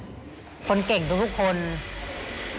ทีโร่ทุกคนมารวมกันในแมทชิงแชมป์โลกครั้งนี้